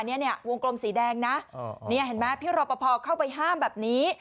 นี่เนี่ยวงกลมสีแดงนะพี่รอปภเข้าไปห้ามแบบนี้